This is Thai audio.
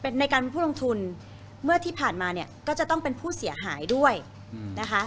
ในการเป็นผู้ลงทุนเมื่อที่ผ่านมาเนี่ยก็จะต้องเป็นผู้เสียหายด้วยนะคะ